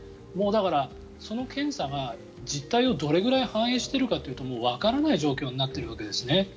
もう、だからその検査が実態をどれだけ反映しているかといったらもうわからない状況になってるわけですね。